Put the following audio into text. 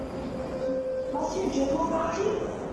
Must you drivel, Bertie?